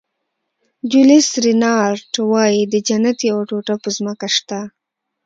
جولیس رینارډ وایي د جنت یوه ټوټه په ځمکه شته.